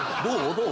どう？